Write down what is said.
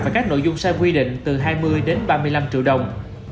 và các nội dung sai quy định từ hai mươi đến ba mươi năm triệu đồng